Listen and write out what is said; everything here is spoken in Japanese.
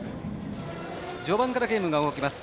序盤からゲームが動きます。